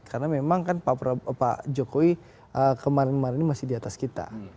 karena memang kan pak jokowi kemarin kemarin masih di atas kita